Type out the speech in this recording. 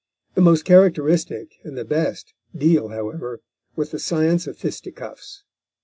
The most characteristic and the best deal, however, with the science of fisticuffs.